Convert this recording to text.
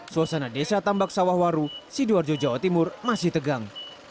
suasana desa tambak sawah waru sidoarjo jawa timur masih tegang